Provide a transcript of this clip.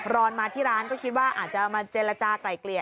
รอนมาที่ร้านก็คิดว่าอาจจะมาเจรจากลายเกลี่ย